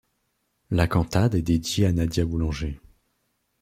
La cantate est dédiée à Nadia Boulanger.